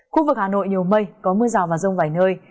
khu vực hà nội nhiều mây có mưa rào và rông vài nơi